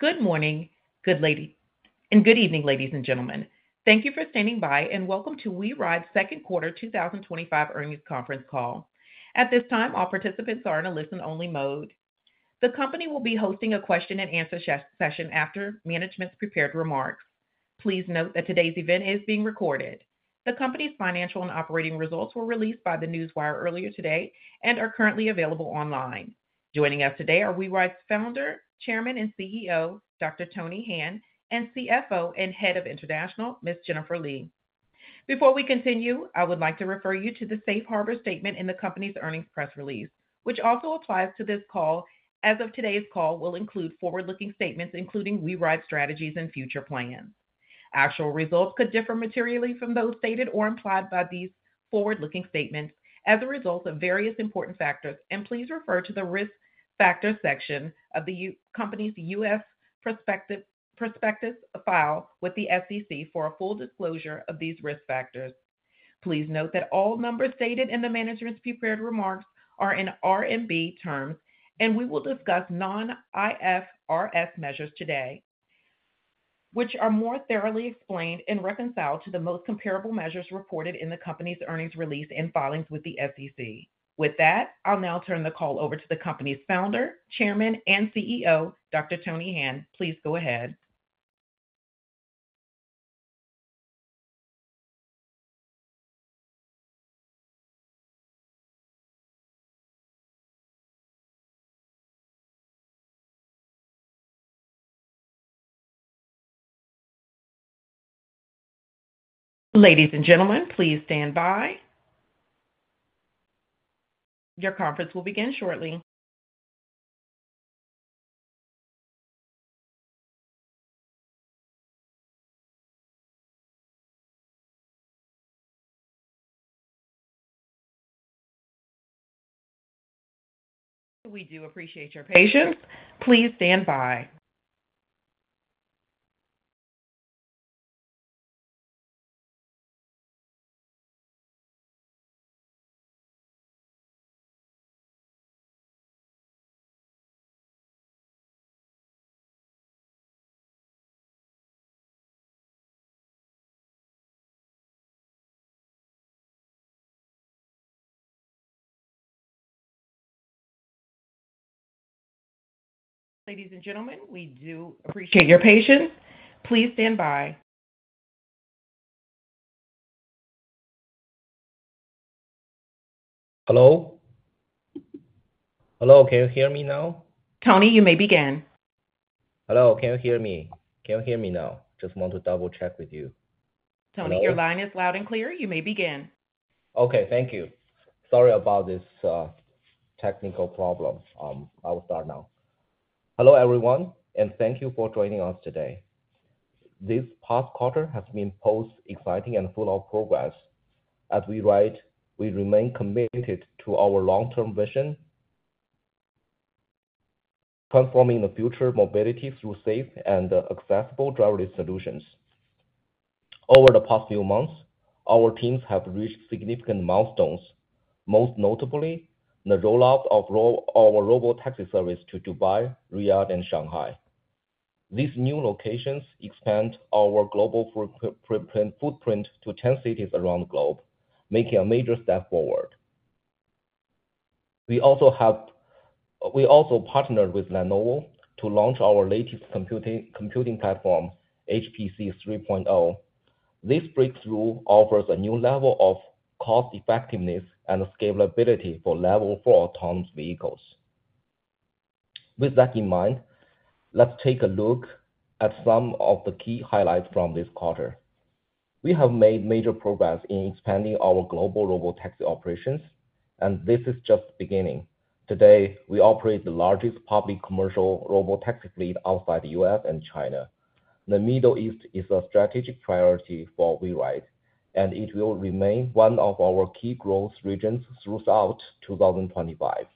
Good morning and good evening, ladies and gentlemen. Thank you for standing by and welcome to WeRide's Second Quarter 2025 earnings conference call. At this time, all participants are in a listen-only mode. The company will be hosting a question and answer session after management's prepared remarks. Please note that today's event is being recorded. The company's financial and operating results were released by the Newswire earlier today and are currently available online. Joining us today are WeRide founder, Chairman and CEO Dr. Tony Han and CFO and Head of International Ms. Jennifer Li. Before we continue, I would like to refer you to the Safe Harbor statement in the company's earnings press release, which also applies to this call. Today's call will include forward-looking statements, including WeRide strategies and future plans. Actual results could differ materially from those stated or implied by these forward-looking statements as a result of various important factors. Please refer to the risk factors section of the company's U.S. prospectus filed with the SEC for a full disclosure of these risk factors. Please note that all numbers stated in management's prepared remarks are in RMB terms, and we will discuss non-IFRS measures today, which are more thoroughly explained and reconciled to the most comparable measures reported in the company's earnings release and filings with the SEC. With that, I'll now turn the call over to the company's founder, Chairman and CEO, Dr. Tony Han. Please go ahead. Ladies and gentlemen, please stand by. Your conference will begin shortly. We do appreciate your patience. Please stand by. Ladies and gentlemen, we do appreciate your patience. Please stand by. Hello, can you hear me now? Tony, you may begin. Hello, can you hear me? Can you hear me now? Just want to double check with you, Tony. Your line is loud and clear. You may begin. Okay, thank you. Sorry about this technical problem. I will start now. Hello everyone and thank you for joining us today. This past quarter has been both exciting and full of progress. As WeRide, we remain committed to our long-term vision, transforming the future of mobility through safe and accessible driverless solutions. Over the past few months, our teams have reached significant milestones. Most notably, the rollout of our Robotaxi service to Dubai, Riyadh, and Shanghai. These new locations expand our global footprint to 10 cities around the globe, making a major step forward. We also partnered with Lenovo to launch our latest computing platform, HPC 3.0. This breakthrough offers a new level of cost effectiveness and scalability for Level 4 autonomous vehicles. With that in mind, let's take a look at some of the key highlights from this quarter. We have made major progress in expanding our global Robotaxi operations and this is just beginning. Today, we operate the largest public commercial Robotaxi fleet outside the U.S. and China. The Middle East is a strategic priority for WeRide and it will remain one of our key growth regions throughout 2025.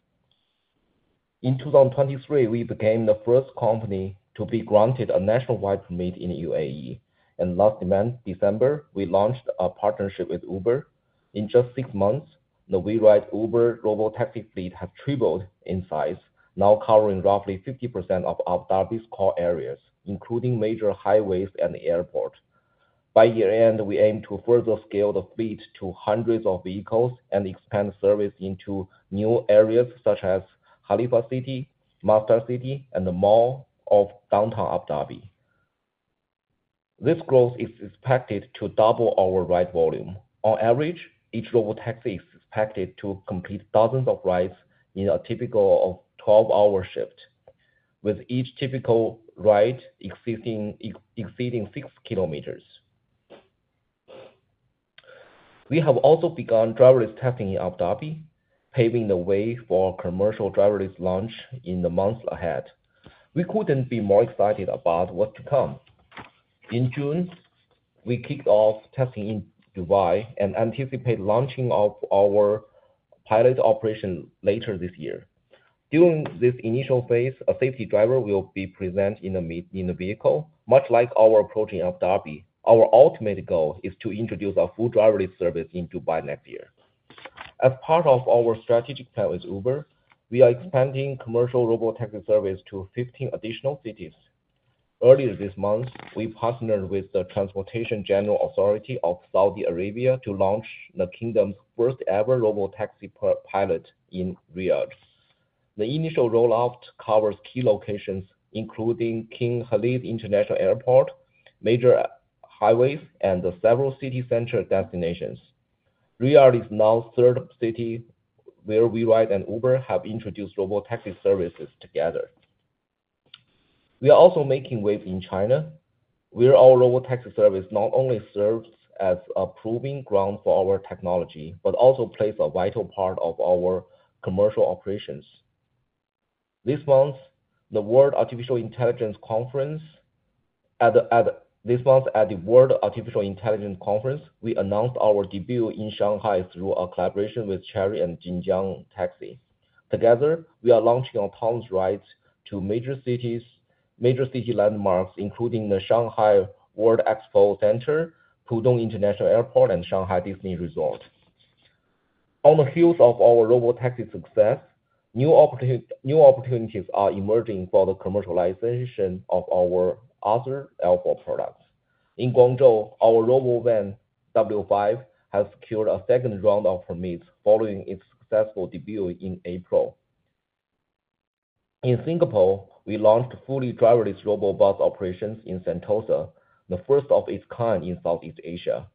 In 2023, we became the first company to be granted a nationwide permit in the UAE and last December we launched a partnership with Uber. In just six months, the WeRide Uber Robotaxi fleet have tripled in size, now covering roughly 50% of Abu Dhabi's core areas including major highways and airport. By year end, we aim to further scale the fleet to hundreds of vehicles and expand service into new areas such as Khalifa City, Masdar City, and the Mall of Downtown Abu Dhabi. This growth is expected to double our ride volume. On average, each Robotaxi is to complete dozens of rides in a typical 12-hour shift, with each typical ride exceeding 6 km. We have also begun driverless testing in Abu Dhabi, paving the way for commercial driverless launch in the months ahead. We couldn't be more excited about what is to come. In June, we kicked off testing in Dubai and anticipate launching our pilot operation later this year. During this initial phase, a safety driver will be present in the vehicle, much like our approach in Abu Dhabi. Our ultimate goal is to introduce a full driverless service in Dubai by next year. As part of our strategic plan with Uber, we are expanding commercial Robotaxi service to 15 additional cities. Earlier this month, we partnered with the Transportation General Authority of Saudi Arabia to launch the kingdom's first ever Robotaxi pilot in Riyadh. The initial rollout covers key locations including King Khalid International Airport, major highways, and several city center destinations. Riyadh is now the third city where WeRide and Uber have introduced Robotaxi services. Together we are also making waves in China where our Robotaxi service not only serves as a proving ground for our technology, but also plays a vital part of our commercial operations. This month at the World Artificial Intelligence Conference, we announced our debut in Shanghai through our collaboration with Chery and Jin Jiang Taxi. Together we are launching our town's rides to major city landmarks including the Shanghai World Expo Center, Pudong International Airport, and Shanghai Disney Resort. On the heels of our Robotaxi success, new opportunities are emerging for the commercialization of our other airport products. In Guangzhou, our Robovan W5 has secured a second round of permits. Following its successful debut in April in Singapore, we launched fully driverless RoboBus operations in Sentosa, the first of its kind in Southeast Asia.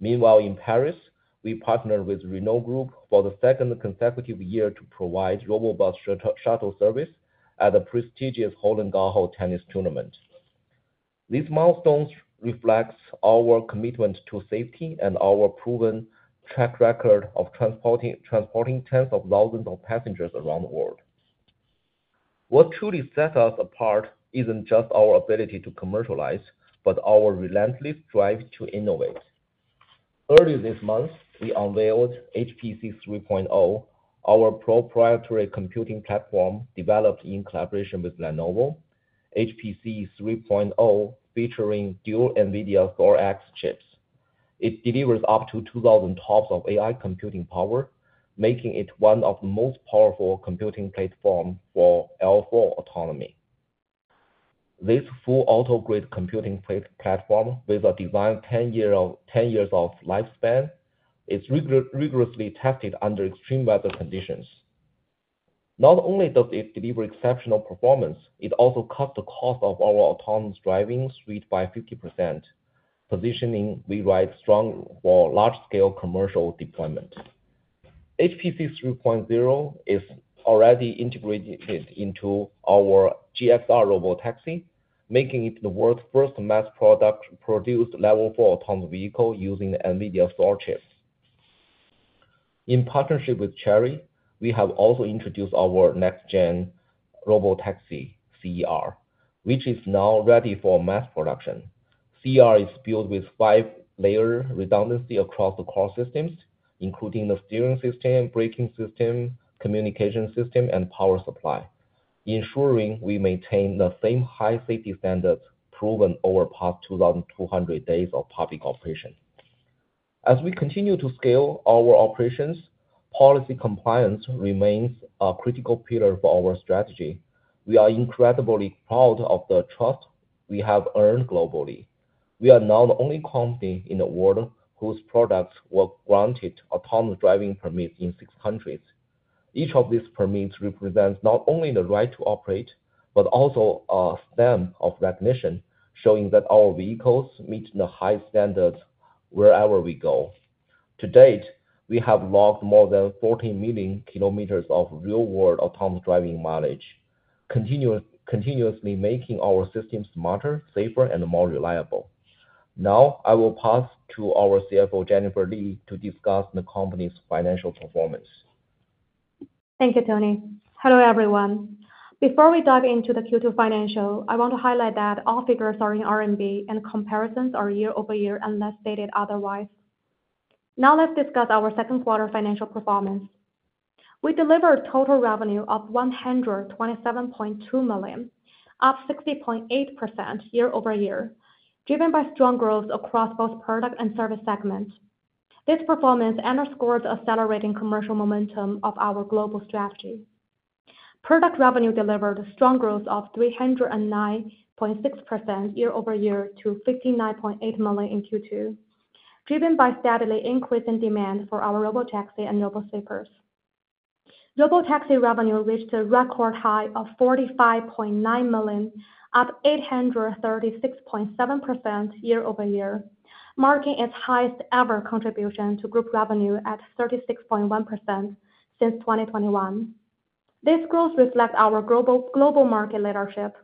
Meanwhile in Paris, we partnered with Renault Group for the second consecutive year to provide robot shuttle service at the prestigious Roland-Garros tennis tournament. These milestones reflect our commitment to safety and our proven track record of transporting tens of thousands of passengers around the world. What truly sets us apart isn't just our ability to commercialize, but our relentless drive to innovate. Earlier this month we unveiled HPC 3.0, our proprietary computing platform developed in collaboration with Lenovo. HPC 3.0, featuring dual NVIDIA Thor chips, delivers up to 2000 tops of AI computing power, making it one of the most powerful computing platforms for L4 autonomy. This full auto grid computing platform with a design 10 years of lifespan is rigorously tested under extreme weather conditions. Not only does it deliver exceptional performance, it also cuts the cost of our autonomous driving suite by 50%, positioning WeRide strong for large scale commercial deployment. HPC 3.0 is already integrated into our GXR Robotaxi, making it the world's first mass-produced Level 4 autonomous vehicle using NVIDIA Thor chip. In partnership with Chery, we have also introduced our next gen Robotaxi CER which is now ready for mass production. CER is built with five-layer redundancy across the core systems including the steering system, braking system, communication system, and power supply, ensuring we maintain the same high safety standards proven over the past 2,200 days of public operation. As we continue to scale our operations, policy compliance remains a critical pillar for our strategy. We are incredibly proud of the trust we have earned globally. We are now the only company in the world whose products were granted autonomous driving permits in six countries. Each of these permits represents not only the right to operate, but also a stamp of recognition showing that our vehicles meet the high standards wherever we go. To date, we have logged more than 14 million km of real-world autonomous driving mileage, continuously making our system smarter, safer, and more reliable. Now I will pass to our CFO Jennifer Li to discuss the company's financial performance. Thank you, Tony. Hello everyone. Before we dive into the Q2 financial, I want to highlight that all figures are in RMB and comparisons are year-over-year unless stated otherwise. Now let's discuss our second quarter financial performance. We delivered total revenue of 127.2 million, up 60.8% year-over-year, driven by strong growth across both product and service segments. This performance underscored accelerating commercial momentum of our global strategy. Product revenue delivered strong growth of 309% year-over-year to 59.8 million in Q2, driven by steadily increasing demand for our Robotaxi and RoboBus. Robotaxi revenue reached a record high of 45.9 million, up 836.7% year-over-year, marking its highest ever contribution to group revenue at 36.1% since 2021. This growth reflects our global market leadership.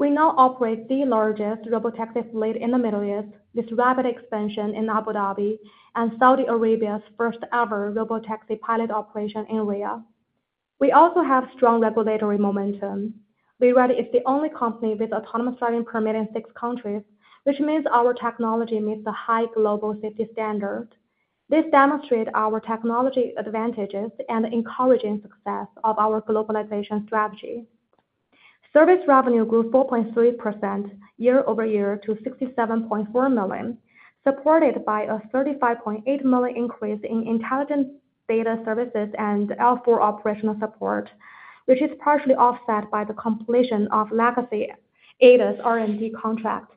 We now operate the largest Robotaxi fleet in the Middle East, this rapid expansion in Abu Dhabi and Saudi Arabia's first ever Robotaxi pilot operation in Riyadh. We also have strong regulatory momentum. WeRide is the only company with autonomous driving permit in six countries, which means our technology meets a high global safety standard. This demonstrates our technology advantages and encouraging success of our globalization strategy. Service revenue grew 4.3% year-over-year to 67.4 million, supported by a 35.8 million increase in intelligent data services and L4 operational support, which is partially offset by the completion of legacy ADAS R&D contract.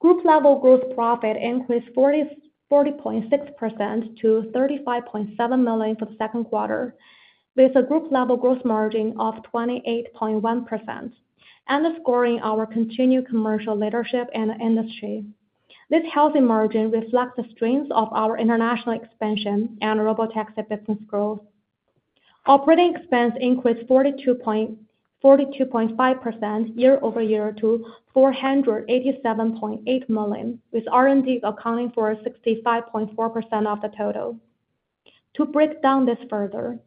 Group level gross profit increased 40.6% to 35.7 million for the second quarter with a group level gross margin of 28.1%, underscoring our continued commercial leadership and industry. This healthy margin reflects the strength of our international expansion and Robotaxi business growth. Operating expense increased 42.5% year-over-year to 487.8 million with R&D accounting for 65.4% of the total. To break down this further,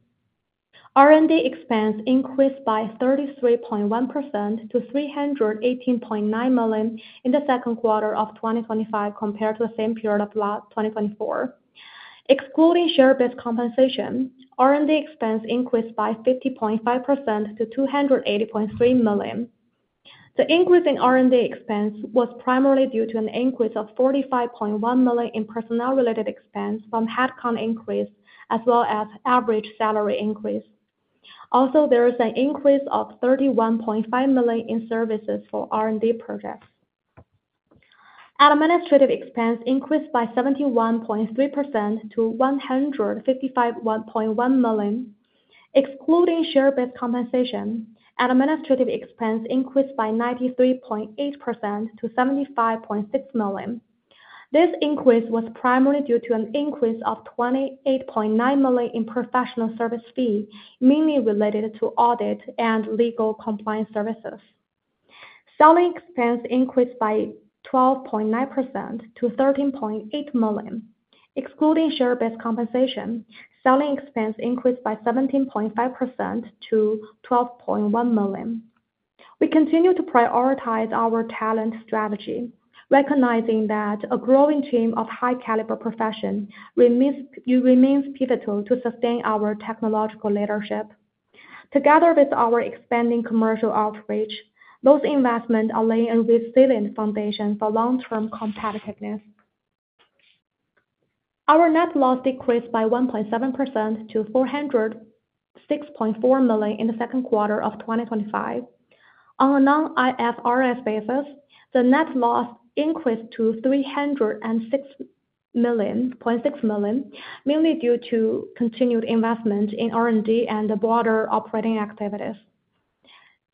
R&D expense increased by 33.1% to 318.9 million in the second quarter of 2025 compared to the same period of last 2024. Excluding share-based compensation, R&D expense increased by 50.5% to 280.3 million. The increase in R&D expense was primarily due to an increase of 45.1 million in personnel related expense from headcount increase as well as average salary increase. Also, there is an increase of 31.5 million in services for R&D projects. Administrative expense increased by 71.3% to 155.1 million. Excluding share-based compensation, administrative expense increased by 93.8% to $75.6 million. This increase was primarily due to an increase of $28.9 million in professional service fee mainly related to audit and legal compliance services. Selling expense increased by 12.9%-$13.8 million. Excluding share-based compensation, selling expense increased by 17.5% to $12.1 million. We continue to prioritize our talent strategy, recognizing that a growing team of high-caliber professionals remains pivotal to sustain our technological leadership. Together with our expanding commercial outreach, those investments are laying a resilient foundation for long-term competitiveness. Our net loss decreased by 1.7% to $406.4 million in the second quarter of 2025. On a non-IFRS basis, the net loss increased to $306 million mainly due to continued investment in R&D and the broader operating activities.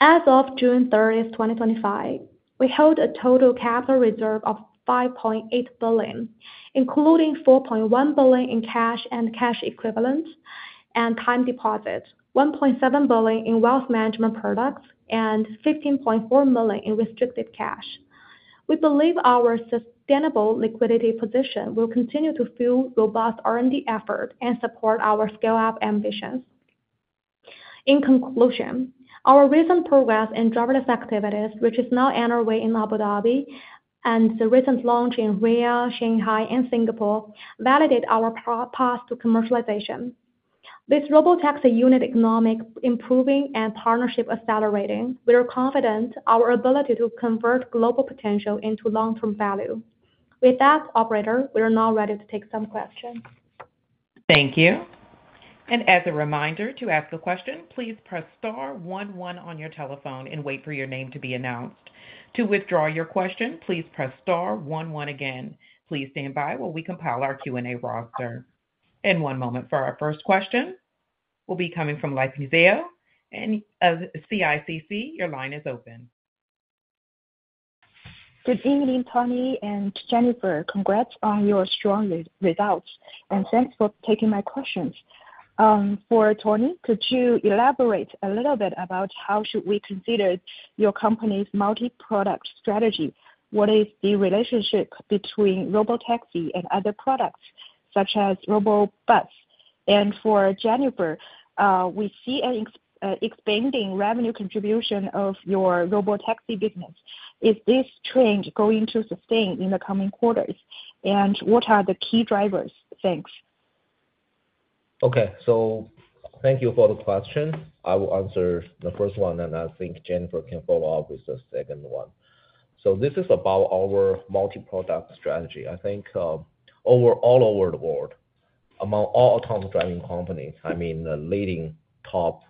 As of June 30, 2025, we hold a total capital reserve of $5.8 billion including $4.1 billion in cash and cash equivalents and time deposits, $1.7 billion in wealth management products, and $15.4 million in restricted cash. We believe our sustainable liquidity position will continue to fuel robust R&D effort and support our scale-up ambitions. In conclusion, our recent progress in jobless activities, which is now underway in Abu Dhabi, and the recent launch in Riyadh, Shanghai, and Singapore validate our path to commercialization. This Robotaxi unit economic improving and partnership accelerating. We are confident our ability to convert global potential into long-term value. With that, operator, we are now ready to take some questions. Thank you. As a reminder, to ask a question, please press star one one on your telephone and wait for your name to be announced. To withdraw your question, please press star one one again. Please stand by while we compile our Q and A roster. One moment for our first question, which will be coming from Life Museo and CICC. Your line is open. Good evening, Tony and Jennifer. Congrats on your strong results, and thanks for taking my questions. For Tony, could you elaborate a little. bit about how should we consider your company's multi product strategy? What is the relationship between Robotaxi. Other products such as RoboBus? Jennifer, we see an expanding revenue contribution of your Robotaxi business. Is this trend going to sustain in the coming quarters? What are the key drivers? Thanks. Okay, so thank you for the question. I will answer the first one and I think Jennifer can follow up with the second one. This is about our multi product strategy. I think all over the world, among all autonomous driving companies, I mean leading top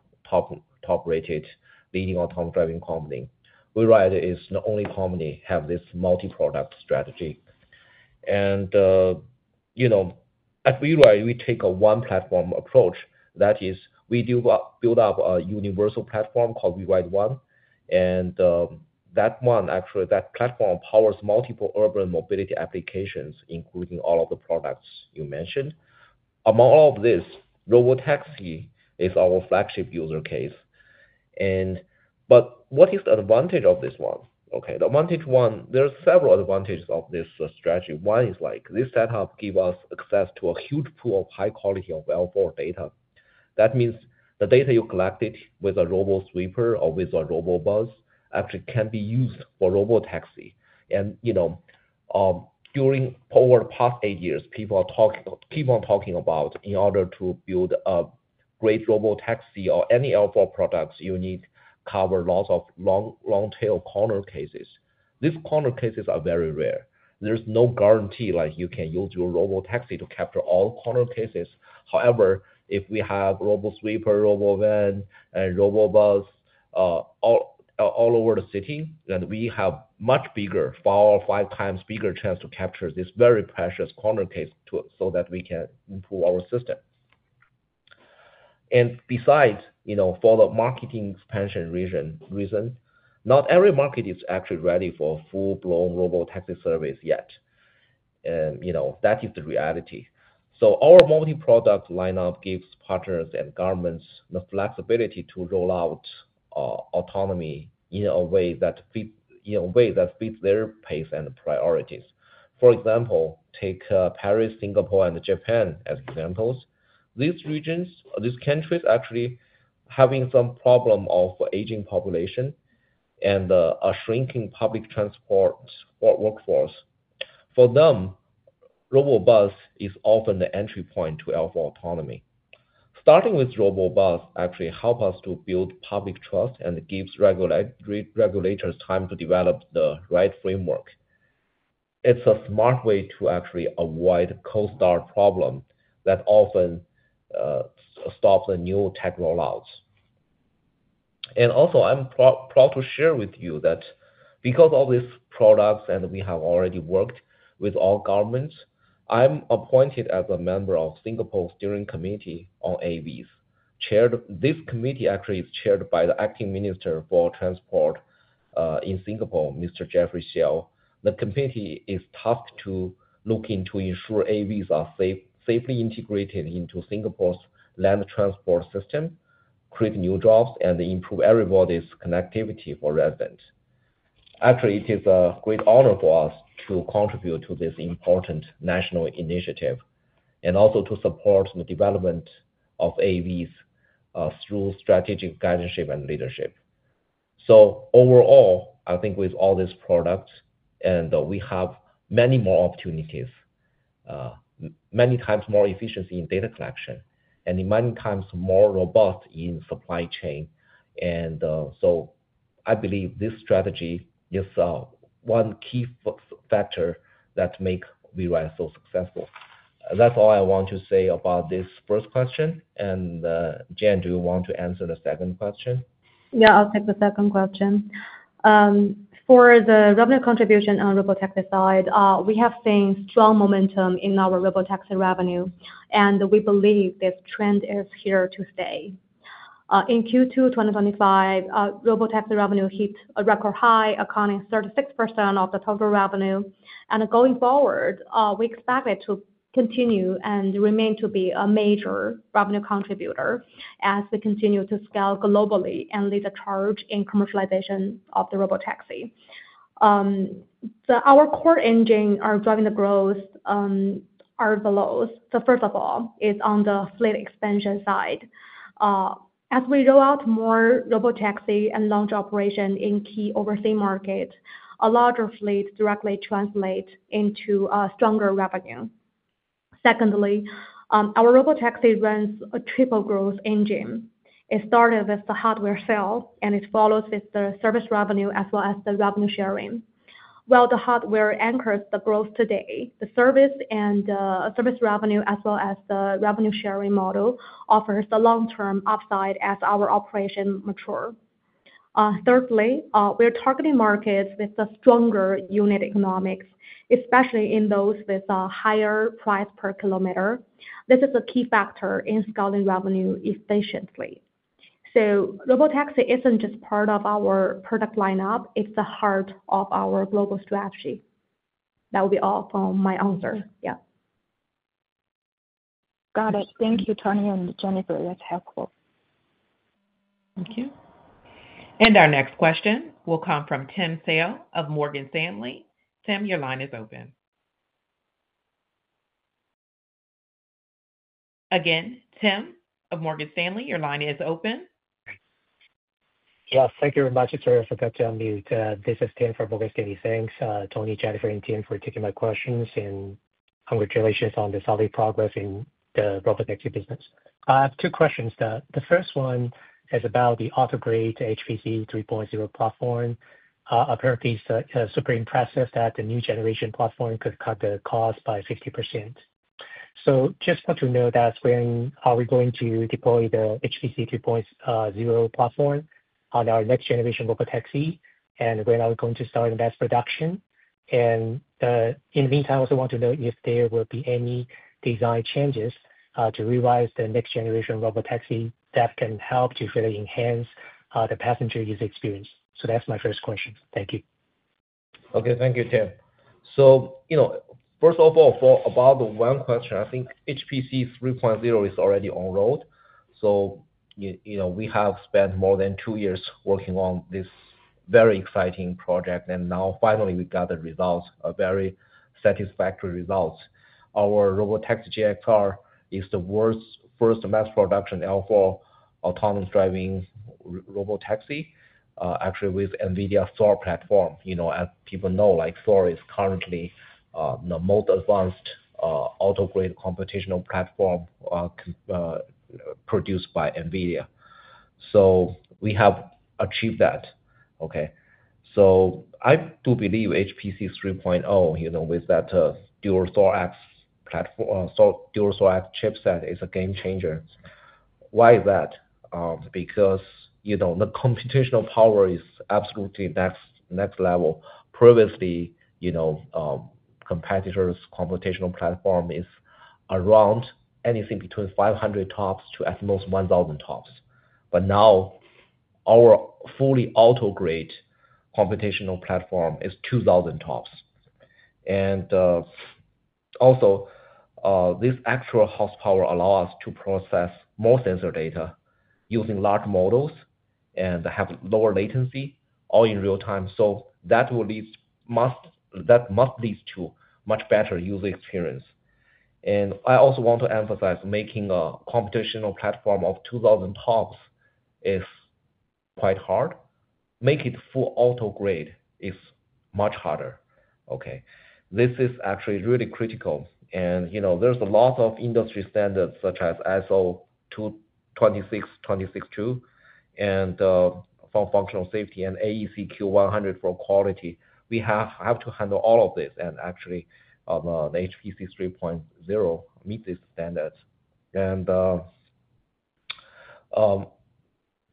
rated leading autonomous driving company WeRide is the only company have this multi product strategy. You know at WeRide we take a one platform approach. That is we do build up a universal platform called WeRide One and that one actually, that platform powers multiple urban mobility applications including all of the products you mentioned. Among all of this Robotaxi is our flagship user case. What is the advantage of this one? The advantage, there are several advantages of this strategy. One is like this setup gives us access to a huge pool of high quality and well-bore data. That means the data you collected with a Robosweeper or with a RoboBus actually can be used for Robotaxi. During the past eight years people keep on talking about in order to build a great Robotaxi or any L4 products, you need cover lots of long tail corner cases. These corner cases are very rare. There's no guarantee like you can use your Robotaxi to capture all corner cases. However, if we have Robosweeper, RoboVan and RoboBus all over the city, then we have much bigger, four or five times bigger chance to capture this very precious corner case so that we can improve our system. Besides, for the marketing expansion reason, not every market is actually ready for full blown Robotaxi service yet. That is the reality. Our multi product lineup gives partners and governments the flexibility to roll out autonomy in a way that fits their pace and priorities. For example, take Paris, Singapore and Japan as examples. These regions, these countries actually having some problem of aging population and a shrinking public transport workforce. For them RoboBus is often the entry point to alpha autonomy. Starting with RoboBus actually helps us to build public trust and gives regulators time to develop the right framework. It's a smart way to actually avoid costar problem that often stops a new tech rollout. Also, I'm proud to share with you that because all these products and we have already worked with all governments, I'm appointed as a member of Singapore steering committee on AVs. This committee actually is chaired by the Acting Minister for Transport in Singapore, Mr. Jeffrey Siow. The committee is tasked to looking to ensure AVs are safely integrated into Singapore's land transport system, create new jobs and improve everybody's connectivity for residents. Actually, it is a great honor for us to contribute to this important national initiative and also to support the development of AVs through strategic guidance, ship and leadership. Overall, I think with all these products and we have many more opportunities, many times more efficiency in data collection and many times more robust in supply chain. I believe this strategy is one key factor that make WeRide so successful. That's all I want to say about this first question and Jen, do you want to answer the second question? Yeah, I'll take the second question for the revenue contribution on Robotaxi side. We have seen strong momentum in our Robotaxi revenue and we believe this trend is here to stay. In Q2 2025, Robotaxi revenue hit a record high, accounting for 36% of the total revenue. Going forward, we expect it to continue and remain to be a major revenue contributor as we continue to scale globally and lead a charge in commercialization of the Robotaxi. Our core engines are driving the growth are as follows. First of all, it's on the fleet expansion side. As we roll out more Robotaxi and launch operation in key overseas markets, a larger fleet directly translates into stronger revenue. Secondly, our Robotaxi runs a triple growth engine. It started with the hardware sale and it follows with the service revenue as well as the revenue sharing. While the hardware anchors the growth today, the service and service revenue as well as the revenue sharing model offers the long term upside as our operation matures. Thirdly, we're targeting markets with the stronger unit economics, especially in those with a higher price per km. This is a key factor in scaling revenue efficiently. Robotaxi isn't just part of our product lineup, it's the heart of our global strategy. That will be all from my answer. Yeah. Got it. Thank you, Tony and Jennifer. That's helpful, thank you. Our next question will come from Tim Hsiao of Morgan Stanley. Tim, your line is open. Again. Tim of Morgan Stanley, your line is open. Yes, thank you very much for that. This is Tim from Morgan Stanley. Thanks Tony, Jennifer, and Tim for taking my questions. Congratulations on the solid progress in the Robotaxi business. I have two questions. The first one is about the auto grade HPC 3.0 platform. Apparently, it's super impressive that the new generation platform could cut the cost by 50%. I just want to know when we are going to deploy the HPC 3.0 platform on our next generation Robotaxi and when we are going to start the mass production. In the meantime, I also want to know if there will be any design changes to revise the next generation Robotaxi that can help to further enhance the passenger user experience. That's my first question. Thank you. Okay, thank you, Tim. First of all, for about one question, I think HPC 3.0 is already on road. We have spent more than two years working on this very exciting project and now finally we got the results, a very satisfactory results. Our Robotaxi GXR is the world's first mass production L4 autonomous driving Robotaxi actually with NVIDIA Thor platform. As people know, Thor is currently the most advanced auto grade computational platform produced by NVIDIA. We have achieved that. I do believe HPC 3.0, with that dual NVIDIA Thor platform, dual Thor chipset, is a game changer. Why is that? The computational power is absolutely next next level. Previously, competitors' computational platform is around anything between 500 tops to at most 1000 tops. Now our fully auto grade computational platform is 2000 tops. This actual horsepower allows us to process more sensor data using large models and have lower latency all in real time. That must lead to much better user experience. I also want to emphasize making a computational platform of 2000 tops is quite hard. Make it full auto grade is much harder. This is actually really critical. There are a lot of industry standards such as ISO 26262 and functional safety and AEC Q100 for quality, we have to handle all of this. Actually, the HPC 3.0 meets these standards. Also,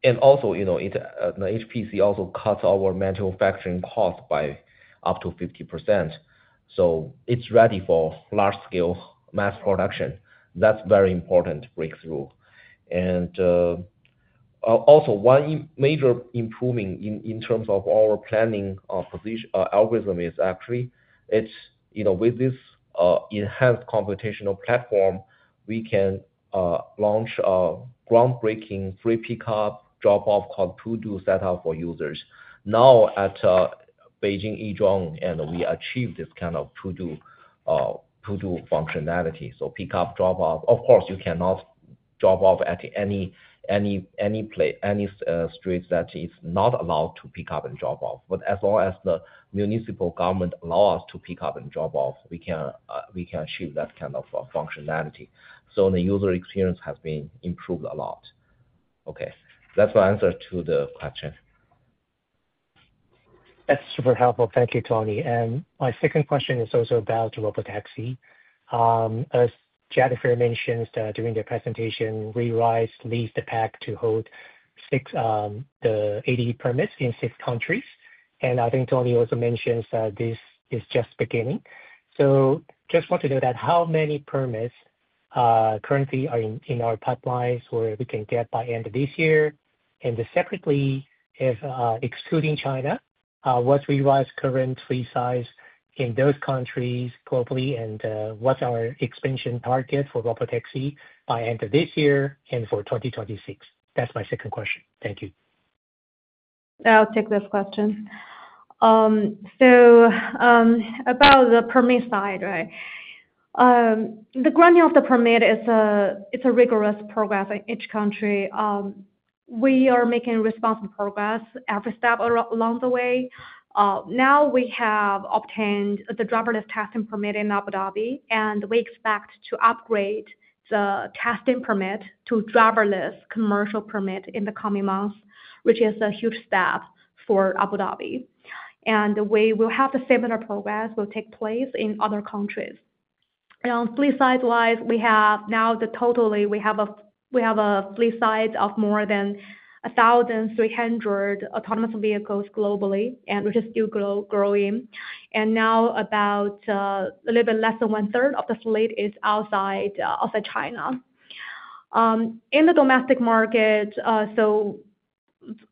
HPC cuts our manufacturing cost by up to 50% so it's ready for large scale mass production. That's a very important breakthrough. One major improvement in terms of our planning algorithm is actually with this enhanced computational platform, we can launch a groundbreaking free pickup drop off called to do setup for users now at Beijing Yizhuang. We achieve this kind of to do functionality, so pick up, drop off. Of course, you cannot drop off at any street that is not allowed to pick up and drop off, but as long as the municipal government allows us to pick up and drop off, we can achieve that kind of functionality. The user experience has been improved a lot. That's my answer to the question. That's super helpful, thank you Tony. My second question is also about Robotaxi. As Jennifer mentioned during the presentation, WeRide leads the pack to hold the AD permits in six countries. I think Tony also mentions this is just beginning. I just want to know how many permits currently are in our pipelines where we can get by end of this year, and separately, if excluding China, what's WeRide's current fleet size in those countries globally? What's our expansion target for Robotaxi by end of this year and for 2026? That's my second question. Thank you. I'll take this question. About the permit side, right. The granting of the permit is a rigorous process in each country. We are making responsible progress every step along the way. Now we have obtained the driverless testing permit in Abu Dhabi and we expect to upgrade the testing permit to driverless commercial permit in the coming months, which is a huge step for Abu Dhabi. We will have similar progress take place in other countries. Fleet size wise, now we have a fleet size of more than 1,300 autonomous vehicles globally, and we're still growing. Now about a little bit less than one third of the fleet is outside China in the domestic market.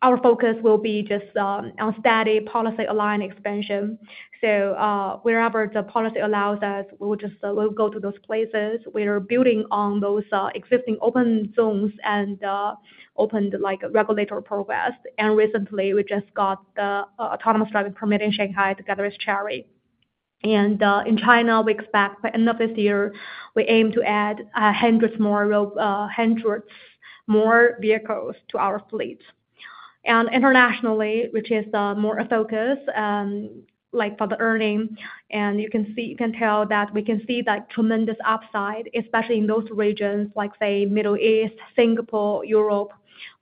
Our focus will be just on steady, policy-aligned expansion. Wherever the policy allows us, we will just go to those places. We are building on those existing open zones and open regulatory progress. Recently, we just got the autonomous driving permit in Shanghai together with Chery, and in China we expect by end of this year we aim to add hundreds more vehicles to our fleet. Internationally, which is more a focus for the earning, you can tell that we can see tremendous upside, especially in those regions like Middle East, Singapore, Europe,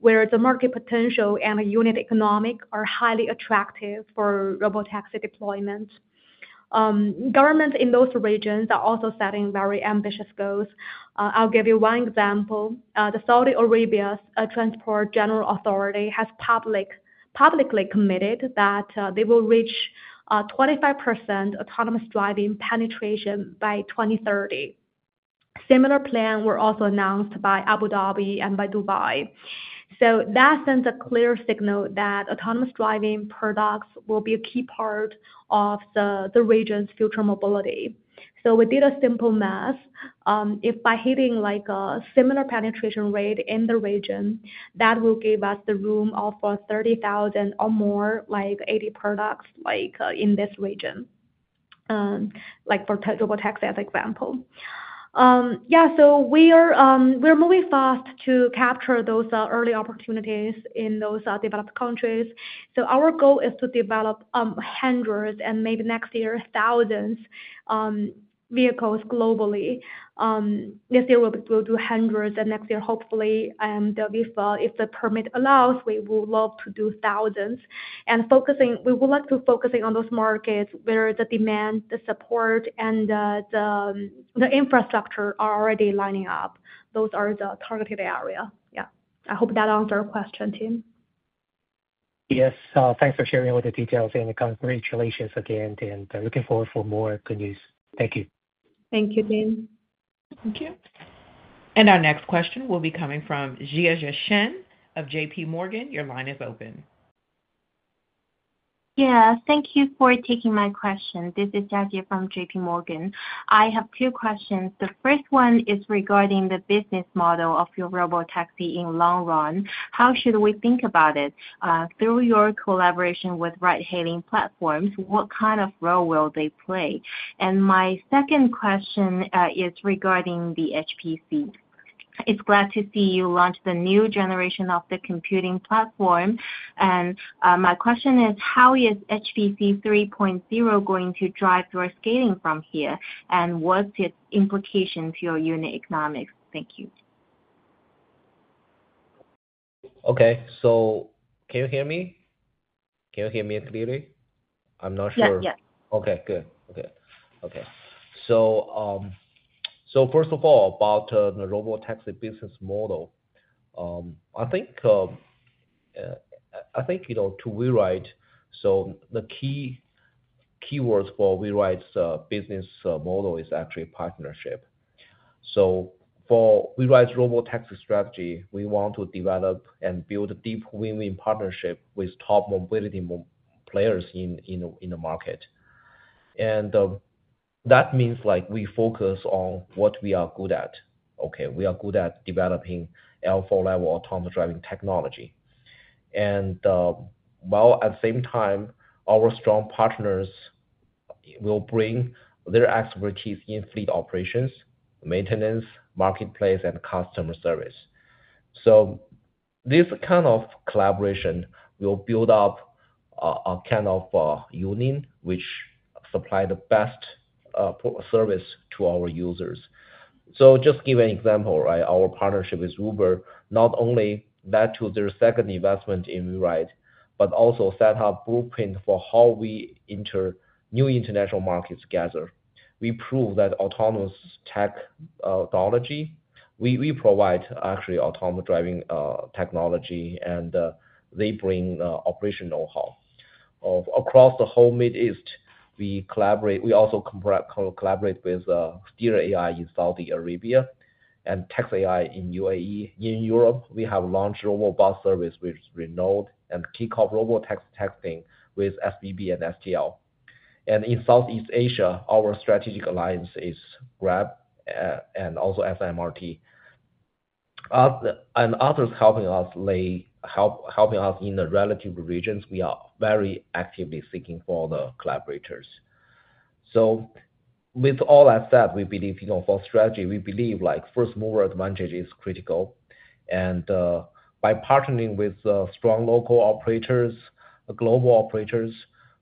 where the market potential and unit economics are highly attractive for Robotaxi deployment. Governments in those regions are also setting very ambitious goals. I'll give you one example. Saudi Arabia's Transport General Authority has publicly committed that they will reach 25% autonomous driving penetration by 2030. Similar plans were also announced by Abu Dhabi and by Dubai. That sends a clear signal that autonomous driving products will be a key part of the region's future mobility. We did a simple math. If by hitting a similar penetration rate in the region, that will give us the room of 30,000 or more like 80 products in this region, like for global tax as example. We're moving fast to capture those early opportunities in those developed countries. Our goal is to develop hundreds and maybe next year thousands of vehicles globally. This year we'll do hundreds, and next year, hopefully if the permit allows, we would love to do thousands. Focusing, we would like to focus on those markets where the demand, the support, and the infrastructure are already lining up. Those are the targeted areas. I hope that answers your question, Tim. Yes, thanks for sharing all the details, and congratulations again. Looking forward for more good news. Thank you. Thank you, Tim. Thank you. Our next question will be coming from Jia Shen of JPMorgan. Your line is open. Yeah, thank you for taking my question. This is Jia Jia from JPMorgan. I have two questions. The first one is regarding the business model of your Robotaxi. In long run, how should we think about it? Through your collaboration with ride-hailing platform, what kind of role will they play? My second question is regarding the HPC. It's glad to see you launch the new generation of the computing platform. My question is, how is HPC 3.0 going to drive your scaling from here and what's its implications? Your unit economics. Thank you. Okay, can you hear me? Can you hear me clearly? I'm not sure. Yes. Okay, good. Okay. First of all, about the Robotaxi business model. I think to WeRide, the keywords for WeRide's business model is actually partnership. For WeRide's Robotaxi strategy, we want to develop and build a deep win-win partnership with top mobility players in the market. That means we focus on what we are good at. We are good at developing L4 level autonomous driving technology, and at the same time our strong partners will bring their expertise in fleet operations, maintenance, marketplace, and customer service. This kind of collaboration will build up a kind of union which supplies the best service to our users. Just to give an example, our partnership with Uber not only led to their second investment in WeRide, but also set up a blueprint for how we enter new international markets. Together, we prove that autonomous tech. We provide actually autonomous driving technology and they bring operational help across the whole Middle East. We collaborate. We also collaborate with Steer AI in Saudi Arabia and Text AI in UAE. In Europe we have launched RoboBus service with Renault and kick off robotext texting with SBB and STL. In Southeast Asia, our strategic alliance is Grab and also SMRT and others helping us, helping us in the relative regions. We are very actively seeking for the collaborators. With all that said, we believe for strategy, we believe like first-mover advantage is critical. By partnering with strong local operators, global operators,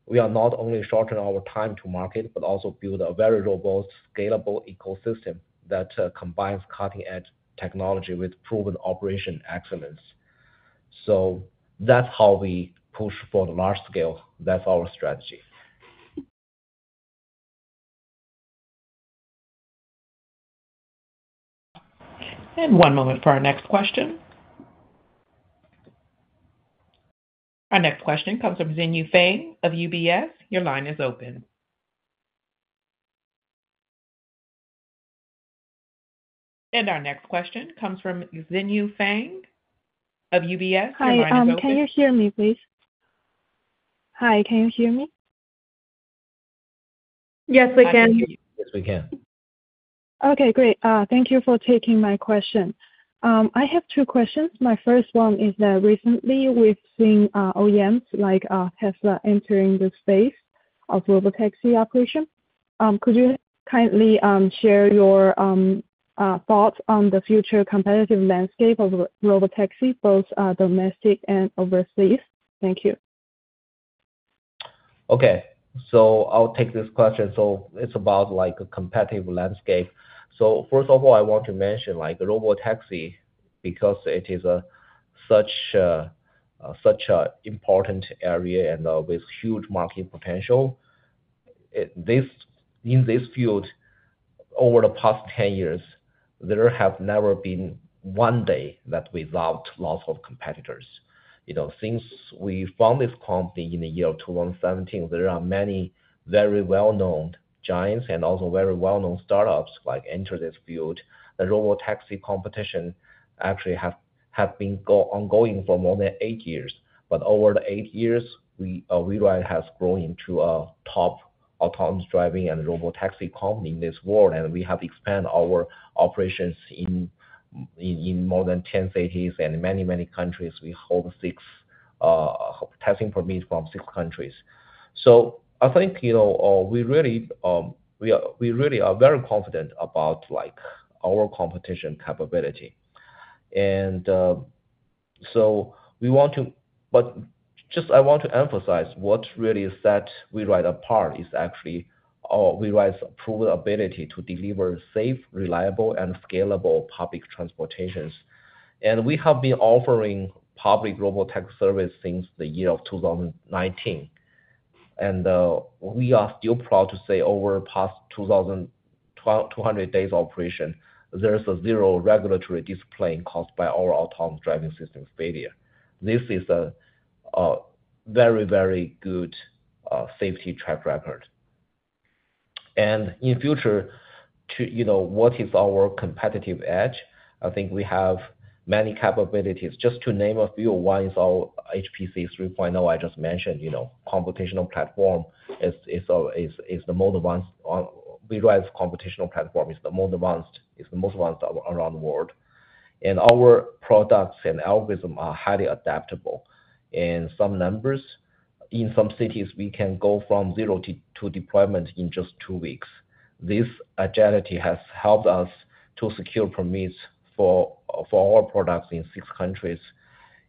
we are not only shortening our time to market, but also build a very robust scalable ecosystem that combines cutting-edge technology with proven operation excellence. That's how we push for the large scale. That's our strategy. One moment for our next question. Our next question comes from Zhenyu Feng of UBS. Your line is open. Our next question comes from Xinyu Fang of UBS. Hi, can you hear me? Yes, we can. Yes, we can. Okay, great. Thank you for taking my question. I have two questions. My first one is that recently we've seen OEMs like Tesla entering the space of Robotaxi operation. Could you kindly share your thoughts on the future competitive landscape of Robotaxi. Both domestic and overseas? Thank you. Okay, so I'll take this question. It's about a competitive landscape. First of all, I want to mention Robotaxi because it is such an important area and with huge market potential in this field. Over the past 10 years, there has never been one day without lots of competitors. You know, since we founded this company in the year 2017, there are many very well known giants and also very well known startups that entered this field. The Robotaxi competition actually has been ongoing for more than eight years. Over the eight years, WeRide has grown into a top autonomous driving and Robotaxi company in this world. We have expanded our operations in more than 10 cities and many, many countries. We hold six testing permits from six countries. I think we really are very confident about our competition capability. I want to emphasize what really sets WeRide apart is actually WeRide's proven ability to deliver safe, reliable, and scalable public transportation. We have been offering public global tech service since the year of 2019. We are still proud to say over the past 2,200 days of operation there is a zero regulatory discipline caused by our autonomous driving system failure. This is a very, very good safety track record. In future, what is our competitive edge, I think we have many capabilities, just to name a few. One is our HPC 3.0. I just mentioned, you know, computational platform is the most advanced. WeRide's computational platform is the most advanced. It's the most advanced around the world. Our products and algorithm are highly adaptable and in some cities we can go from zero to deployment in just two weeks. This agility has helped us to secure permits for our products in six countries.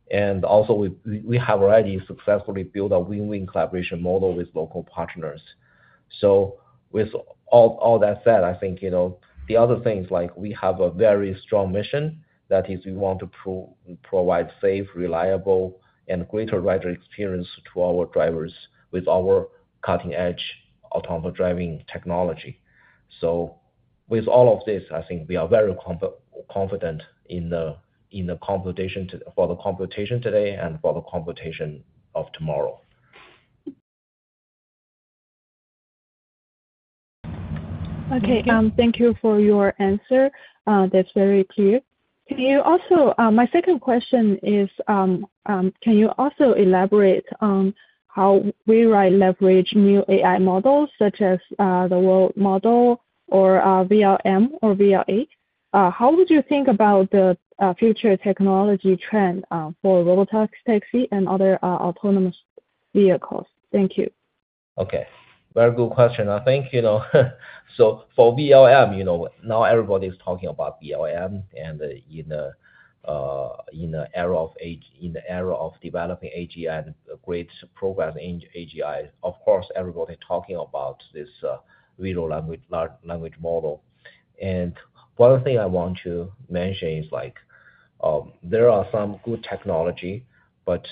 We have already successfully built a win-win collaboration model with local partners. With all that said, I think the other things are we have a very strong mission. That is we want to provide safe, reliable, and greater rider experience to our drivers with our cutting edge autonomous driving technology. With all of this, I think we are very confident for the competition today and for the competition of tomorrow. Okay, thank you for your answer. That's very clear. Can you also elaborate on how WeRide leverage new AI models such as the World Model or VLM or VL8? How would you think about the future technology trend for Robotaxi and other autonomous vehicles? Thank you. Okay, very good question. I think for VLM, now everybody is talking about VLM and in the era of developing AGI and great programs in AGI, of course, everybody is talking about this video language model. One thing I want to mention is there is some good technology, but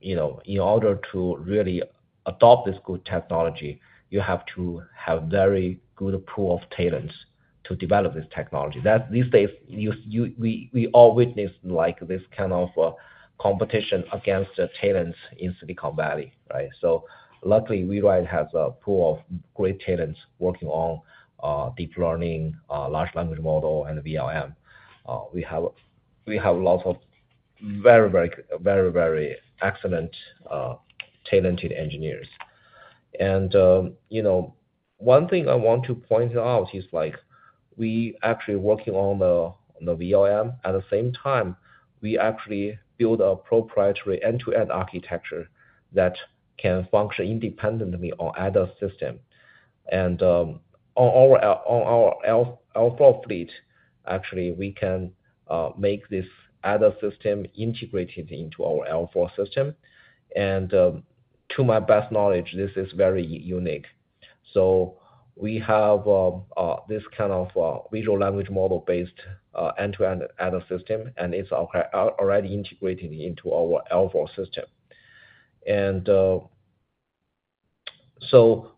in order to really adopt this good technology, you have to have a very good pool of talents to develop this technology. These days we all witness this kind of competition for talents in Silicon Valley. Luckily, WeRide has a pool of great talents working on deep learning, large language model, and VLM. We have lots of very, very, very, very excellent talented engineers. One thing I want to point out is we are actually working on the VLM at the same time we actually build a proprietary end-to-end architecture that can function independently on ADAS system and on our L4 fleet. Actually, we can make this ADAS system integrated into our L4 system. To my best knowledge, this is very unique. We have this kind of visual language model-based end-to-end system and it's already integrated into our L4 system.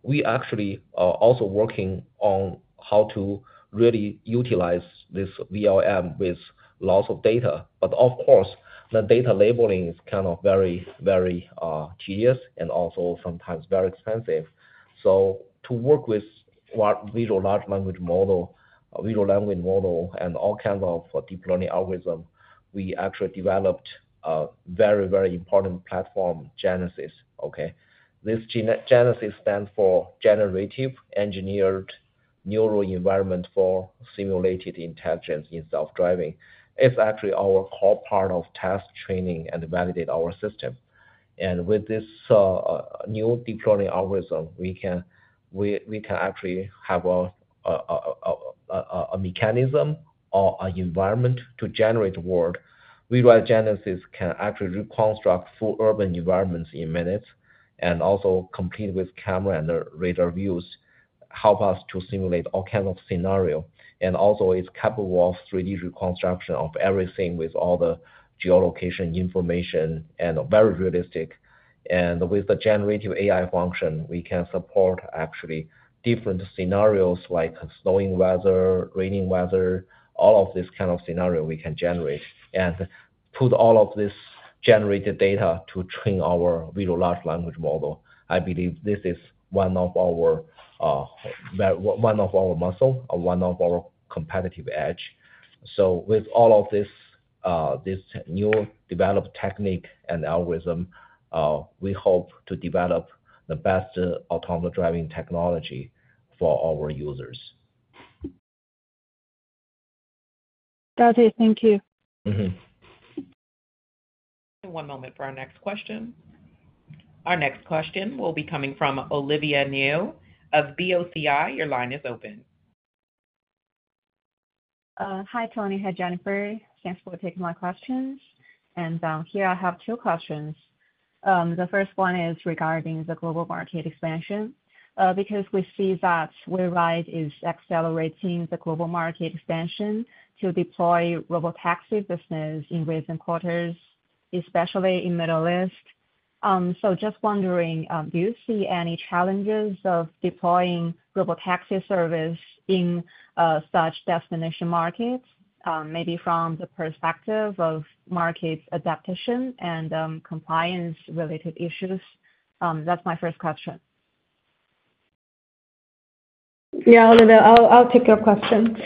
We actually are also working on how to really utilize this VLM with lots of data. Of course, the data labeling is very, very tedious and sometimes very expensive. To work with visual large language model, visual language model, and all kinds of deep learning algorithm, we actually developed a very, very important platform, Genesis. This Genesis stands for Generative Engineered Neural Environment for Simulated Intelligence in Self Driving. It's actually our core part of task training and validating our system. With this new deep learning algorithm, we can actually have a mechanism or an environment to generate world VRIO. Genesis can actually reconstruct full urban environments in minutes and also complete with camera and radar views to help us simulate all kinds of scenarios. It's coupled with 3D reconstruction of everything with all the geolocation information and is very realistic. With the generative AI function, we can support different scenarios like snowing weather, raining weather, all of these kinds of scenarios we can generate and put all of this generated data to train our visual large language model. I believe this is one of our muscle, one of our competitive edge. With all of this newly developed technique and algorithm, we hope to develop the best autonomous driving technology for our users. Got it, thank you. One moment for our next question. Our next question will be coming from Olivia Niu of BOCI. Your line is open. Hi Tony. Hi Jennifer. Thanks for taking my questions. I have two questions. The first one is regarding the global market expansion because we see that WeRide is accelerating the global market expansion to deploy Robotaxi business in recent quarters, especially in Middle East. Just wondering, do you see any challenges of deploying Robotaxi service in such destination markets? Maybe from the perspective of market adaptation and compliance related issues. That's my first question. Yeah, I'll take your question.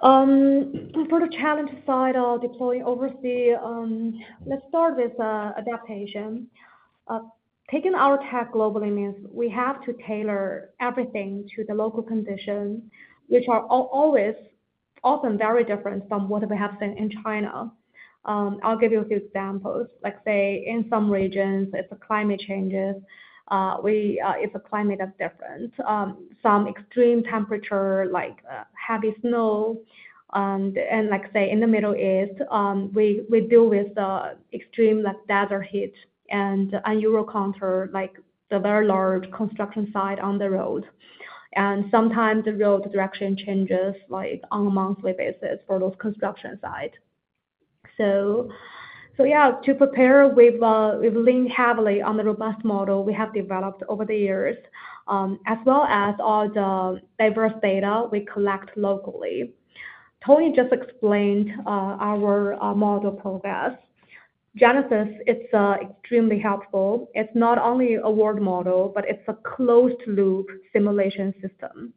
For the challenge side of deploying overseas, let's start with adaptation. Taking our tech globally means we have to tailor everything to the local conditions, which are often very different from what we have seen in China. I'll give you a few examples, like in some regions if the climate changes, it's a climate that's different, some extreme temperature like heavy snow, and like in the Middle East we deal with extreme desert heat. You encounter very large construction sites on the road, and sometimes the road direction changes on a monthly basis for those construction sites. To prepare, we've leaned heavily on the robust model we have developed over the years as well as all the diverse data we collect locally. Tony just explained our model progress. Genesys, it's extremely helpful. It's not only a word model but it's a closed loop simulation system.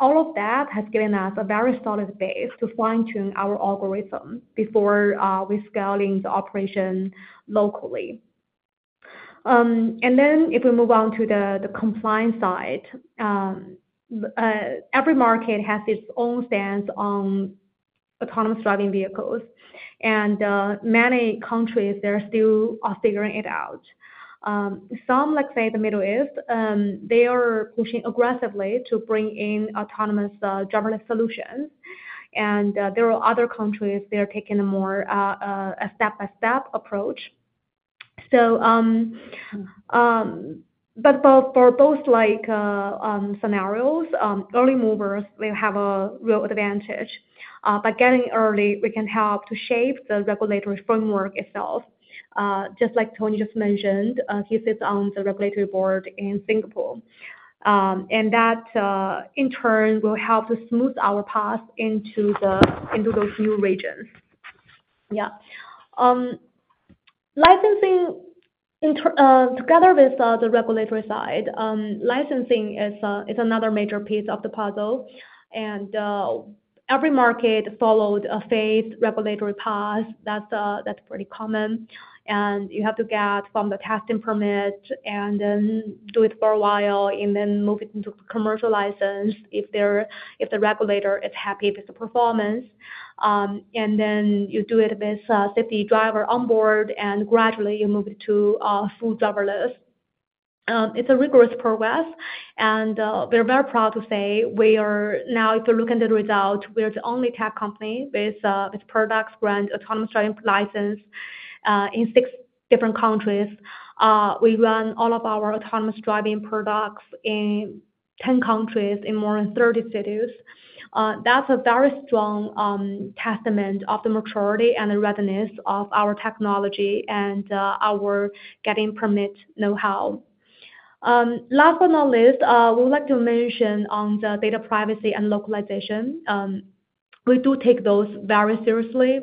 All of that has given us a very solid base to fine-tune our algorithm before we scale the operation locally. If we move on to the compliance side, every market has its own stance on autonomous driving vehicles, and many countries are still figuring it out. Some, like the Middle East, are pushing aggressively to bring in autonomous driverless solutions, and there are other countries taking a more step-by-step approach. For both scenarios, early movers will have a real advantage. Getting in early, we can help to shape the regulatory framework itself. Just like Tony just mentioned, he sits on the regulatory board in Singapore, and that in turn will help to smooth our path into those new regions. Licensing, together with the regulatory side, is another major piece of the puzzle. Every market follows a phased regulatory path. That's pretty common. You have to get the testing permit, do it for a while, and then move it into a commercial license if the regulator is happy with the performance. You do it with a safety driver on board and gradually move it to full driverless. It's a rigorous process, and we're very proud to say we are. Now, if you look at the result, we are the only tech company with product brand autonomous driving license in six different countries. We run all of our autonomous driving products in 10 countries in more than 30 cities. That's a very strong testament of the maturity and the readiness of our technology and our getting permit know-how. Last but not least, we'd like to mention on the data privacy and localization, we do take those very seriously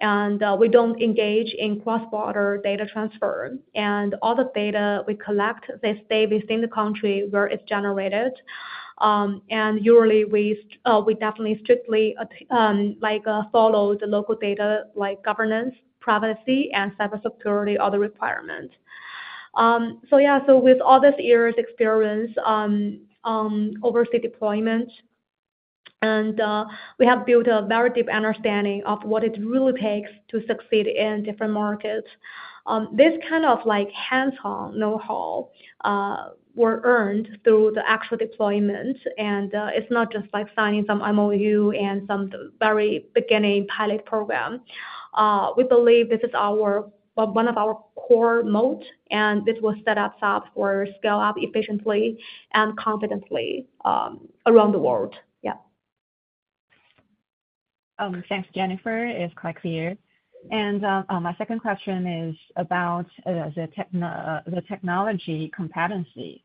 and we don't engage in cross-border data transfer and all the data we collect, they stay within the country where it's generated. Usually, we definitely strictly follow the local data governance, privacy, and cybersecurity requirements. With all this years experience, overseas deployment, and we have built a very deep understanding of what it really takes to succeed in different markets. This kind of hands-on know-how was earned through the actual deployment. It's not just like signing some MOU and some very beginning pilot program. We believe this is one of our core moats, and this will set us up to scale up efficiently and confidently around the world. Yeah. Thanks Jennifer. It's quite clear. My second question is about the technology competency.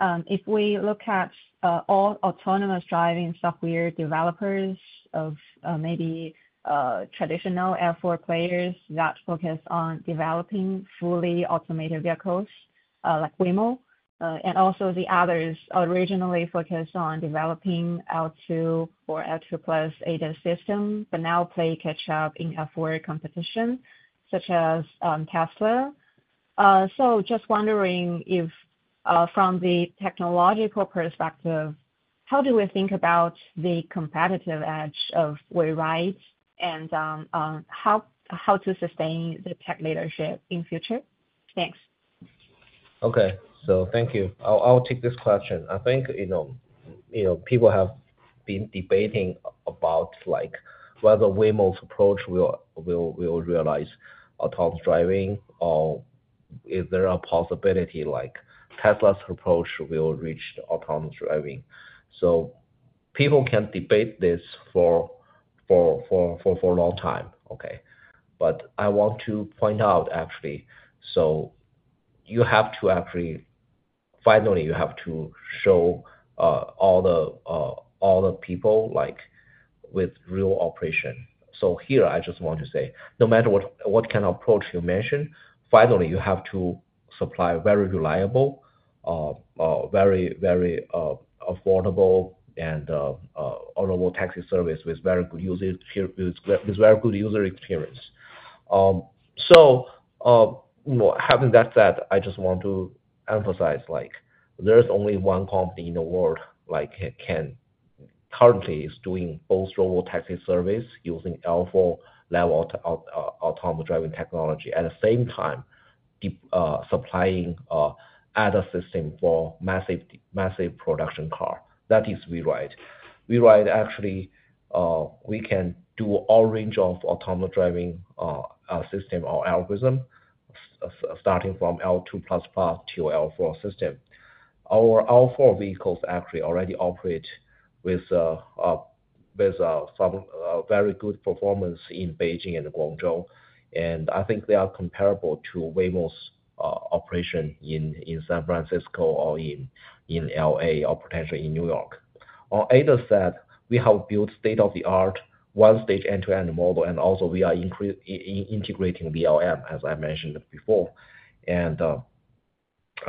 If we look at all autonomous driving software developers or maybe traditional OEM players that focus on developing fully automated vehicles like Waymo and also the others originally focus on developing L2 or L2 ADAS system but now play catch up in L4 competition such as Tesla. Just wondering if from the technological perspective how do we think about the competitive edge of WeRide and how to sustain the tech leadership in future. Thanks. Okay, thank you. I'll take this question. I think people have been debating about whether Waymo's approach will realize autonomous driving or is there a possibility like Tesla's approach will reach autonomous driving. People can debate this for, for, for. For. For a long time. Okay. I want to point out actually you have to actually finally you have to show all the people with real operation. Here I just want to say no matter what kind of approach you mentioned, finally you have to supply very reliable, very very affordable and honorable taxi service with very good uses, with very good user experience. Having that said I just want to emphasize there's only one company in the world that currently is doing both Robotaxi service using L4 level autonomous driving technology at the same time supplying other system for massive production car, that is WeRide. Actually we can do all range of autonomous driving system or algorithm starting from L2 to L4 system. Our four vehicles actually already operate with some very good performance in Beijing and Guangzhou. I think they are comparable to Waymo's operation in San Francisco or in LA or potentially in New York. On ADAS side we have built state-of-the-art one stage end-to-end model. We are integrating BLM as I mentioned before.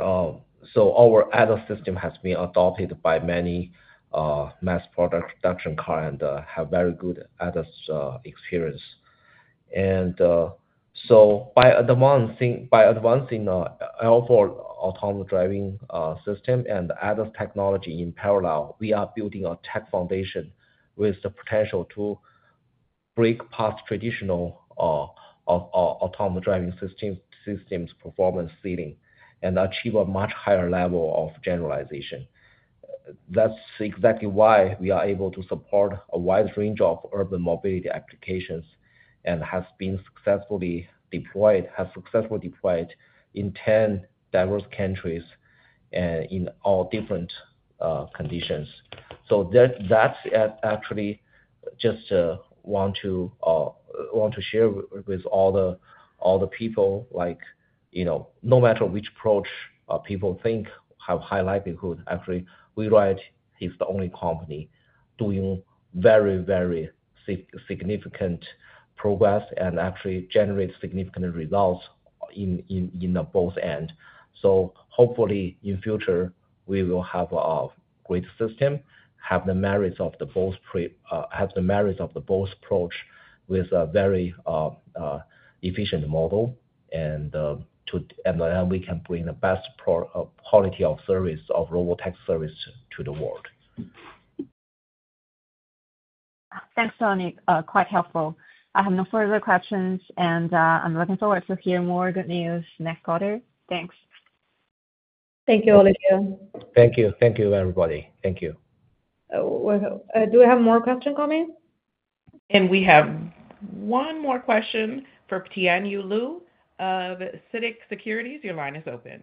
Our ADAS system has been adopted by many mass production car and have very good ADAS experience. By advancing L4 autonomous driving system and ADAS technology in parallel, we are building a tech foundation with the potential to break past traditional autonomous driving systems performance ceiling and achieve a much higher level of generalization. That's exactly why we are able to support a wide range of urban mobility applications and has successfully deployed in 10 diverse countries in all different conditions. I just want to share with all the people no matter which approach people think have high likelihood, actually WeRide is the only company doing very very significant progress and actually generate significant results in both end. Hopefully in future we will have great system, have the merits of both, have the merits of both approach with a very efficient model and we can bring the best quality of service of Robotaxi service to the world. Thanks, Sonic. Quite helpful. I have no further questions, and I'm looking forward to hear more good news next quarter. Thanks. Thank you, Olivia. Thank you. Thank you, everybody. Thank you. Do we have more questions coming? We have one more question for Tianyu Liu of Citic Securities. Your line is open.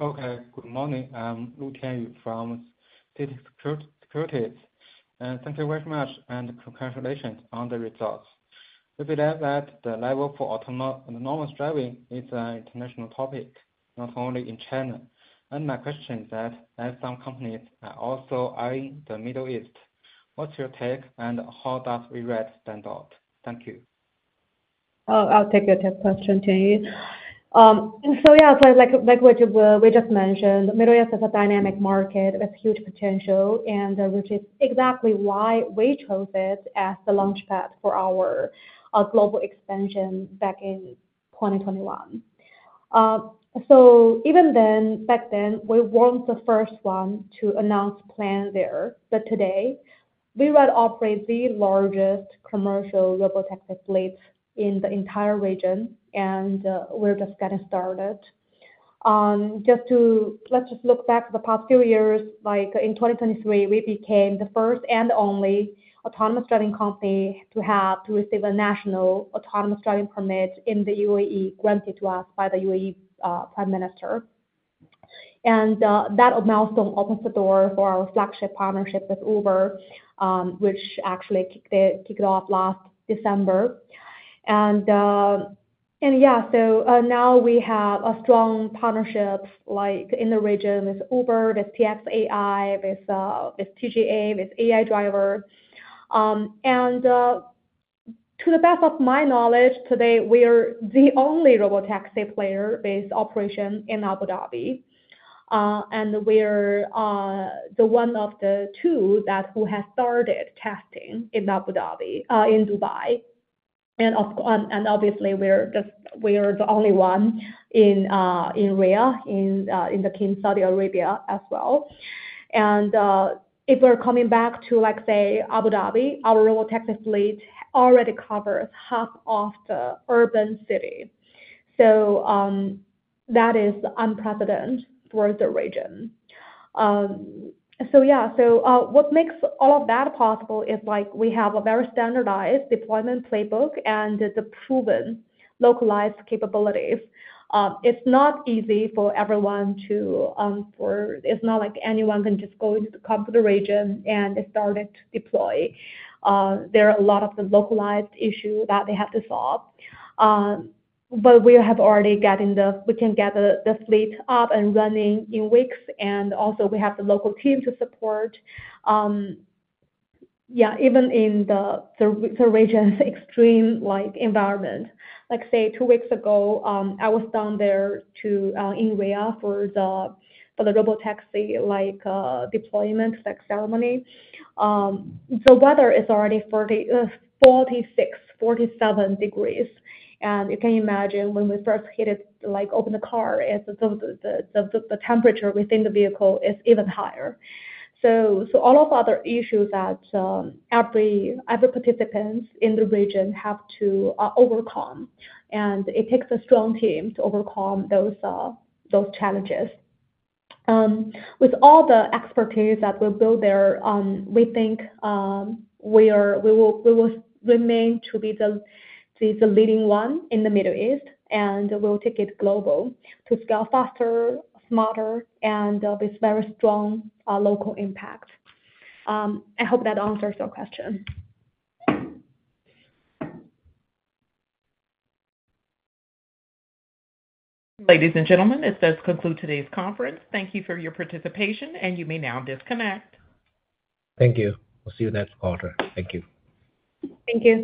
Okay. Good morning, I'm Lu Tianyu from CITIC Securities. Thank you very much and congratulations on the results. We believe that the level for autonomous driving is an international topic, not only in China. My question is that some companies also are in the Middle East. What's your take and how does WeRide stand out? Thank you, I'll take your question. Tianyu, so yeah, like what we just mentioned, Middle East is a dynamic market with huge potential and which is exactly why we chose it as the launchpad for our global expansion back in 2021. Even then, back then we weren't the first one to announce plan there, but today WeRide operates the largest commercial Robotaxi fleet in the entire region and we're just getting started. Let's just look back the past few years. Like in 2023 we became the first and only autonomous driving company to receive a national autonomous driving permit in the UAE granted to us by the UAE Prime Minister. That milestone opens the door for our flagship partnership with Uber which actually kicked off last December. Now we have a strong partnership in the region with Uber, with TX, AI, with TGA, with AI Driver and to the best of my knowledge, today we are the only Robotaxi player based operation in Abu Dhabi and we're one of the two that has started testing in Abu Dhabi and Dubai and obviously we are the only one in Riyadh in the Kingdom of Saudi Arabia as well. If we're coming back to, like, say, Abu Dhabi, our Robotaxi fleet already covers half of the urban city. That is unprecedented for the region. What makes all of that possible is we have a very standardized deployment playbook and the proven localized capabilities. It's not easy for everyone to, it's not like anyone can just go into the region and start to deploy. There are a lot of the localized issues that they have to solve. We have already gotten the, we can get the fleet up and running in weeks and also we have the local team to support. Even in the region's extreme environment, like, say, two weeks ago I was down there in Riyadh for the Robotaxi deployment ceremony, the weather is already 46, 47 degrees. You can imagine when we first hit it, like open the car, the temperature within the vehicle is even higher. All of the other issues that every participant in the region has to overcome, and it takes a strong team to overcome those challenges. With all the expertise that we build there, we think. We. Will remain to be the leading one in the Middle East, and we'll take it global to scale faster, smarter, and with very strong local impact. I hope that answers your question. Ladies and gentlemen, this does conclude today's conference. Thank you for your participation, and you may now disconnect. Thank you. We'll see you next quarter. Thank you. Thank you.